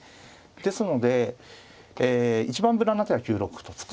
ですので一番無難な手は９六歩と突くと。